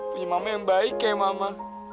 punya mama yang baik kayak mama